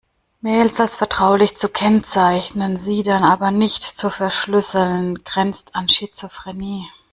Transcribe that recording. Mails als vertraulich zu kennzeichnen, sie dann aber nicht zu verschlüsseln, grenzt an Schizophrenie.